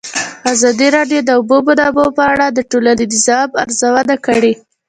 ازادي راډیو د د اوبو منابع په اړه د ټولنې د ځواب ارزونه کړې.